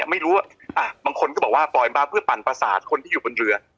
ไม่รู้บางคนก็บอกว่าปล่อยมาเพื่อปั่นประสาทคนที่อยู่บนเรือ